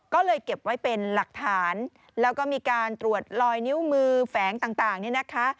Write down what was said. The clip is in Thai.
ก็เลยเก็บไว้เป็นหลักฐานแล้วก็มีการตรวจลอยนิ้วมือแฝงต่างนี่นะคะ